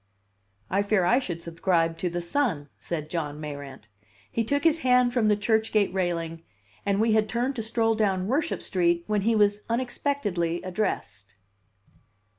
"I fear I should subscribe to The Sun," said John Mayrant. He took his hand from the church gate railing, and we had turned to stroll down Worship Street when he was unexpectedly addressed.